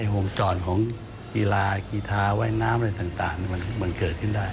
ห่วงจรของกีฬากีธาว่ายน้ำอะไรต่างมันเกิดขึ้นได้